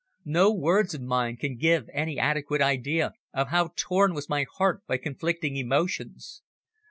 No words of mine can give any adequate idea of how torn was my heart by conflicting emotions.